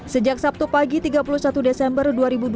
sejak sabtu pagi tiga puluh satu desember dua ribu dua puluh